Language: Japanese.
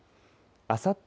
あさって